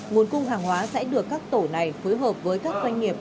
nguồn cung hàng hóa sẽ được các tổ này phối hợp với các doanh nghiệp